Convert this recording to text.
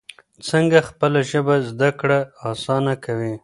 څنګه خپله ژبه زده کړه اسانه کوي؟